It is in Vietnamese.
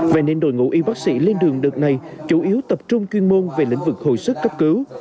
vậy nên đội ngũ y bác sĩ lên đường đợt này chủ yếu tập trung chuyên môn về lĩnh vực hồi sức cấp cứu